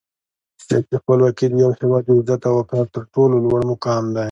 سیاسي خپلواکي د یو هېواد د عزت او وقار تر ټولو لوړ مقام دی.